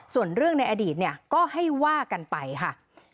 ส่วนเรื่องในอดีตเนี่ยก็ให้ว่ากันไปค่ะ